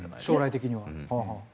将来的には。ああ。